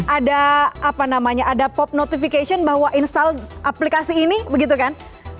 ada apa namanya ada pop notification bahwa install aplikasi ini begitu kan